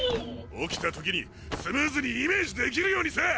起きたときにスムーズにイメージできるようにさぁ！